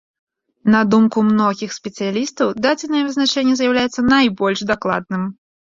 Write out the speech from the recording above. На думку многіх спецыялістаў дадзенае вызначэнне з'яўляецца найбольш дакладным.